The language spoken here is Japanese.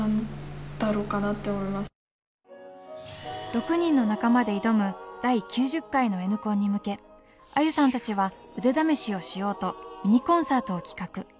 ６人の仲間で挑む第９０回のＮコンに向け愛友さんたちは腕試しをしようとミニコンサートを企画。